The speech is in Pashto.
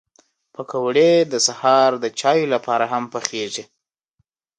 پکورې د سهر چای لپاره هم پخېږي